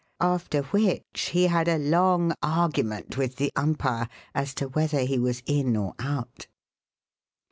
After which he had a long argument with the umpire as to whether he was in or out.